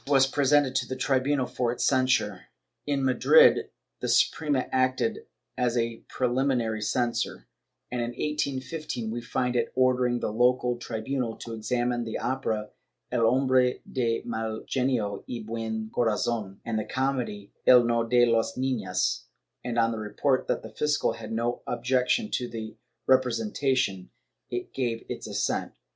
was presented to the tribunal for its censure. In Madrid, the Suprema acted as a preliminary censor; in 1815 we find it ordering the local tribunal to examine the opera "El hombre de mal genio y buen corazon," and the comedy "El no de las niiias" and, on the report that the fiscal had no objection to their repre sentation, it gave its assent.